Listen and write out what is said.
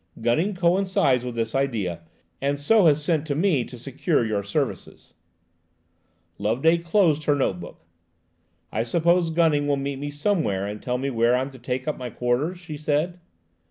Gunning coincides with this idea, and so has sent to me to secure your services." THEY START DAILY ON A SORT OF BEGGING TOUR. Loveday closed her note book. "I suppose Gunning will meet me somewhere and tell me where I'm to take up my quarters?" she said.